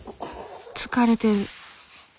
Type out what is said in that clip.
疲れてる。